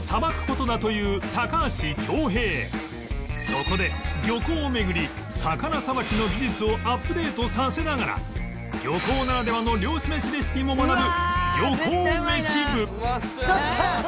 そこで漁港を巡り魚さばきの技術をアップデートさせながら漁港ならではの漁師めしレシピも学ぶ漁港めし部